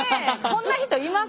こんな人います？